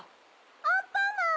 アンパンマン！